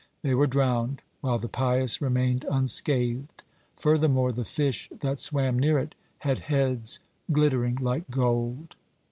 They were drowned, while the pious remained unscathed. Furthermore, the fish that swam near it had heads glittering like gold.